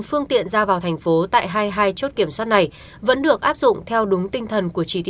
phương tiện ra vào thành phố tại hai mươi hai chốt kiểm soát này vẫn được áp dụng theo đúng tinh thần của chỉ thị một mươi sáu